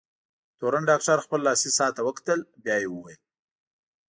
تورن ډاکټر خپل لاسي ساعت ته وکتل، بیا یې وویل: